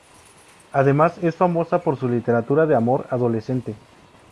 Además, es famosa por su "literatura de amor adolescente".